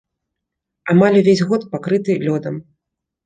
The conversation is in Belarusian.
Амаль увесь год пакрыты лёдам.